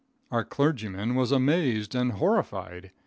Our clergyman was amazed and horrified.